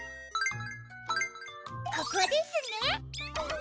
ここですね。